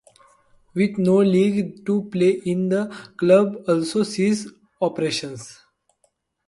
With no league to play in the club also ceased operations.